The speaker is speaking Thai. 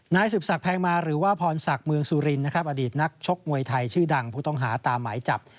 นายสืบศักดิแพงมาหรือว่าพรศักดิ์เมืองสุรินนะครับอดีตนักชกมวยไทยชื่อดังผู้ต้องหาตามหมายจับ